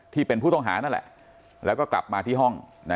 ที่เป็นผู้ต้องหานั่นแหละแล้วก็กลับมาที่ห้อง